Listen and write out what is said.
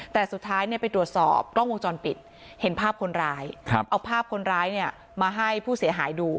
แต่สุดท้ายไปตรวจสอบกล้องวงจรปิดเห็นภาพคนร้ายเอาภาพคนร้ายเนี่ยมาให้ผู้เสียหายดู